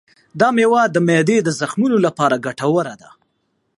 دا مېوه د معدې د زخمونو لپاره ګټوره ده.